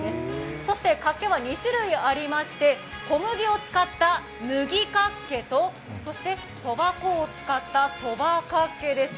そして、かっけは２種類ありまして小麦を使った麦かっけとそしてそば粉を使ったそばかっけです。